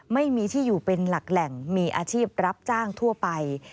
ไม่มีที่อยู่เป็นหลักแหล่งมีอาชีพรับจ้างทั่วไป